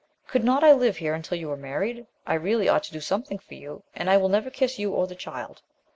"Could not I live here until you are married? I really ought to do something for you, and I will never kiss you or the child."